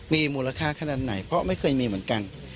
มีมูลค่าขนาดไหนเพราะไม่เคยมีเหมือนกัน